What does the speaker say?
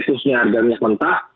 khususnya harganya mentah